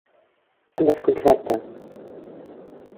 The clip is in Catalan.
Em desconcerta.